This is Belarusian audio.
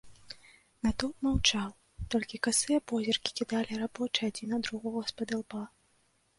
Натоўп маўчаў, толькі касыя позіркі кідалі рабочыя адзін на другога спадылба.